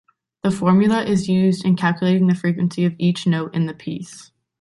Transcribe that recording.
The formula is used in calculating the frequency of each note in the piece.